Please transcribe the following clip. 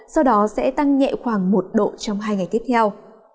sau đó sẽ tăng nhẹ khoảng một độ trong hai ngày tiếp theo